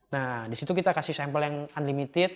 nah disitu kita kasih sampel yang unlimited